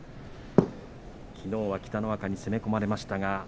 きのうは隆乃若に攻め込まれました。